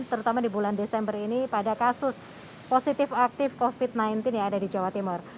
terutama di bulan desember ini pada kasus positif aktif covid sembilan belas yang ada di jawa timur